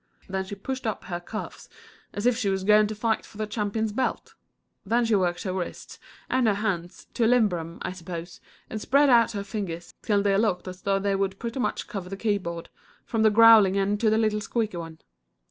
Then she pushed up her cuffs as if she was going to fight for the champion's belt. Then she worked her wrists and her hands, to limber 'em, I suppose, and spread out her fingers till they looked as though they would pretty much cover the keyboard, from the growling end to the little squeaky one.